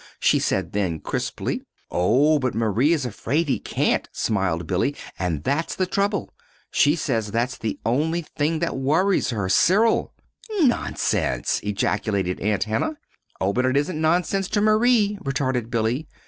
she said then, crisply. "Oh, but Marie is afraid he can't," smiled Billy. "And that's the trouble. She says that's the only thing that worries her Cyril." "Nonsense!" ejaculated Aunt Hannah. "Oh, but it isn't nonsense to Marie," retorted Billy.